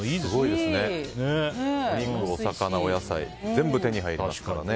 お肉、お魚、お野菜全部手に入りましたからね。